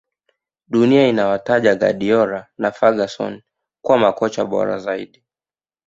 dunia inawataja guardiola na ferguson kuwa makocha bora zaidi